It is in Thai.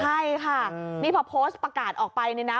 ใช่ค่ะนี่พอโพสต์ประกาศออกไปเนี่ยนะ